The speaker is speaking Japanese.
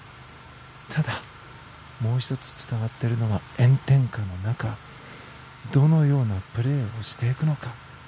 ただ、もう１つ伝わっているのは炎天下の中どのようなプレーをしていくのか。